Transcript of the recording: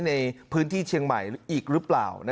ในพื้นที่เชียงใหม่อีกหรือเปล่า